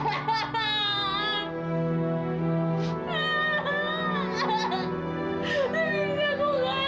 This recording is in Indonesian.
ya jangan tanya ini tuhan sudah apollo